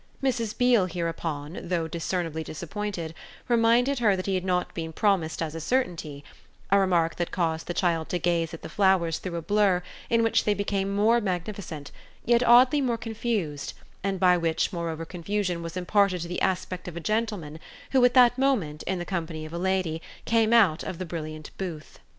Mrs. Beale hereupon, though discernibly disappointed, reminded her that he had not been promised as a certainty a remark that caused the child to gaze at the Flowers through a blur in which they became more magnificent, yet oddly more confused, and by which moreover confusion was imparted to the aspect of a gentleman who at that moment, in the company of a lady, came out of the brilliant booth.